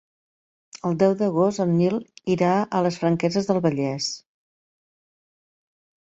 El deu d'agost en Nil anirà a les Franqueses del Vallès.